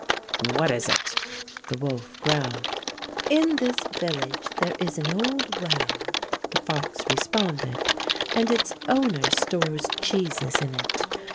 "What is it.^^" the wolf growled. "In this village there is an old well," the fox responded, "and its owner stores cheeses in it.